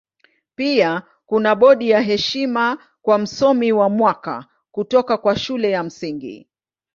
Pia kuna bodi ya heshima kwa Msomi wa Mwaka kutoka kwa Shule ya Msingi.